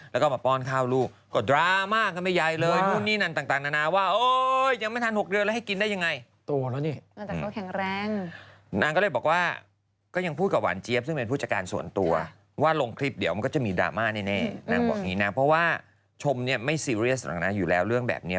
แล้วก็มาป้อนข้าวลูกก็ดราม่ากันไม่ใหญ่เลย